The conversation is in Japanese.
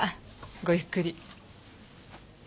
ごゆっくり。